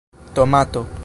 tomato